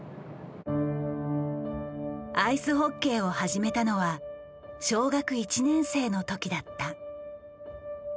アイスホッケーを始めたのは小学１年生の時だった。